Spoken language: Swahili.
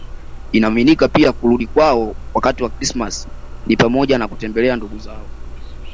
Inaaminika pia kuwa kurudi kwao wakati wa Krismasi ni pamoja na kutembelea ndugu zao